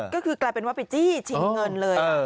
ก็คือกลายเป็นว่าไปจี้ชิงเงินเลย